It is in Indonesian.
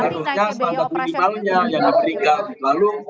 harusnya standar minimalnya yang diberikan lalu